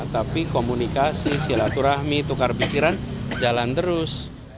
tapi komunikasi silaturahmi tukar pikiran jalan terus